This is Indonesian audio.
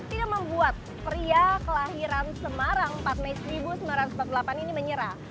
tidak membuat pria kelahiran semarang empat mei seribu sembilan ratus empat puluh delapan ini menyerah